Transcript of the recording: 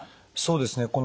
そうですね。